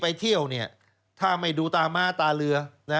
ถ้าไปเที่ยวเนี่ยถ้าไม่ดูตาม้าตาเรือ